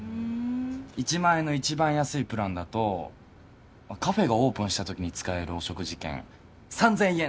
１万円の一番安いプランだとカフェがオープンしたときに使えるお食事券３０００円！